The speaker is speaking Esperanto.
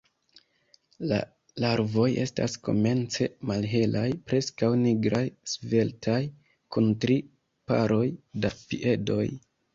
La larvoj estas komence malhelaj, preskaŭ nigraj, sveltaj, kun tri paroj da piedoj.